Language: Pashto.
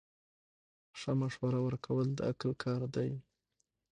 ښه مشوره ورکول د عقل کار دی.